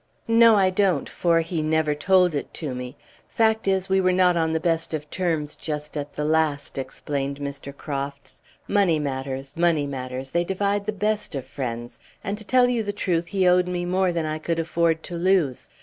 "No, I don't, for he never told it to me; fact is, we were not on the best of terms just at the last," explained Mr. Crofts. "Money matters money matters they divide the best of friends and to tell you the truth he owed me more than I could afford to lose.